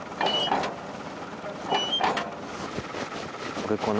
これかな？